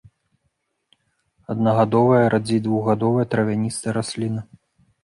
Аднагадовая, радзей двухгадовая травяністая расліна.